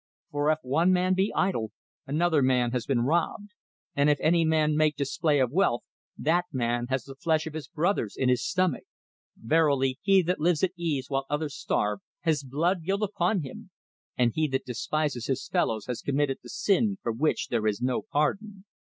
For if one man be idle, another man has been robbed; and if any man make display of wealth, that man has the flesh of his brothers in his stomach. Verily, he that lives at ease while others starve has blood guilt upon him; and he that despises his fellows has committed the sin for which there is no pardon.